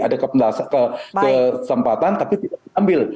ada kesempatan tapi tidak diambil